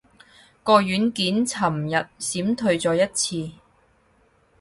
個軟件尋日閃退咗一次